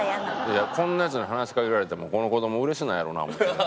いやこんなヤツに話しかけられてもこの子ども嬉しないやろな思って。